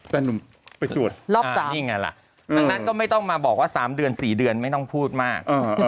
หนุ่มไปตรวจรอบ๓นี่ไงล่ะดังนั้นก็ไม่ต้องมาบอกว่า๓เดือน๔เดือนไม่ต้องพูดมาก